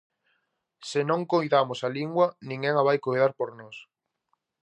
Se non coidamos a lingua, ninguén a vai coidar por nós.